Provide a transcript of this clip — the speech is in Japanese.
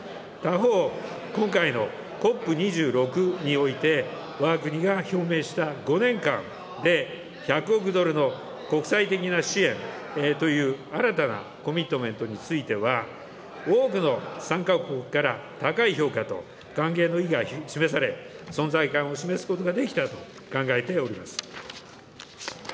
他方、今回のＣＯＰ２６において、わが国が表明した５年間で１００億ドルの国際的な支援という新たなコミットメントについては、多くの参加国から高い評価と歓迎の意が示され、存在感を示すことができたと考えております。